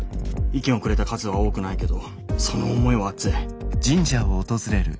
意見をくれた数は多くないけどその思いは熱い。